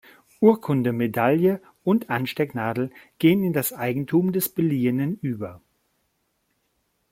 Urkunde, Medaille und Anstecknadel gehen in das Eigentum des Beliehenen über.